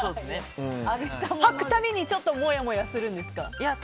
はくたびにちょっともやもやするんですか。